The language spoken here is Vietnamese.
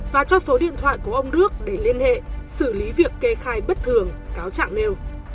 và cho số điện thoại của ông đức để liên hệ xử lý việc kê khai bất thường cáo trạng nêu